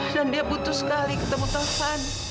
dan dia butuh sekali ketemu taufan